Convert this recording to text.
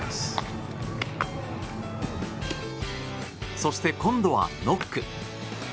そして今度は、ノック。